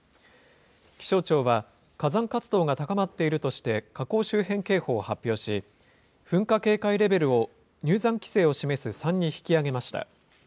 気象庁は火山活動が高まっているとして、火口周辺警報を発表し、噴火警戒レベルを入山規制を示す３に引き上げました。